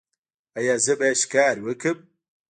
ایا زه باید ښکار وکړم؟